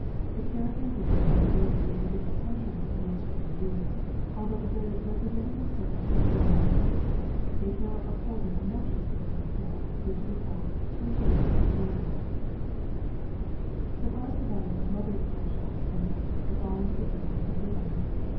The carat and grain both vary in the different countries in which they are used, although a very representative circle of pearl mer chants is now upholding a metric system carat which equals 200 milligrammes. So far as the value of mother of pearl shell is concerned, the following figures may be given.